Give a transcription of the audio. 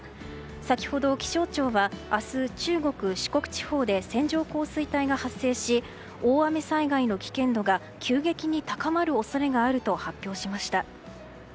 先ほど気象庁は明日中国・四国地方で線状降水帯が発生し大雨災害の危険度が急激に高まる恐れがあると発表しました。